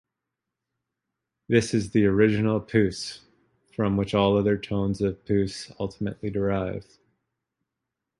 This is the original "puce", from which all other tones of puce ultimately derive.